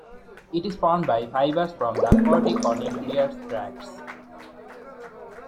It is formed by fibers from the corticonuclear tracts.